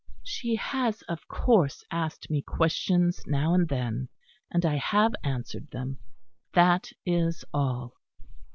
She has, of course, asked me questions now and then; and I have answered them that is all."